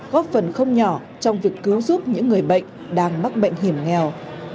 góp phần không nhỏ trong việc cứu giúp những người bệnh đang mắc bệnh hiểm nghèo